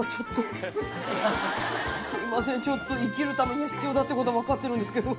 すいませんちょっと生きるために必要だってことは分かってるんですけど。